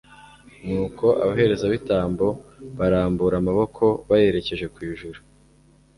nuko abaherezabitambo barambura amaboko bayerekeje ku ijuru